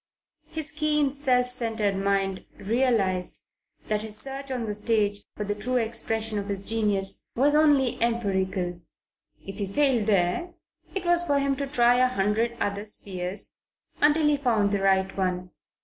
His keen, self centred mind realized that his search on the stage for the true expression of his genius was only empirical. If he failed there, it was for him to try a hundred other spheres until he found the right one.